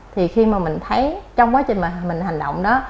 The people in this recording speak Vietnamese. thì khi mà mình thấy trong quá trình mà mình hành động đó